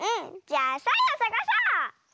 じゃあサイをさがそう！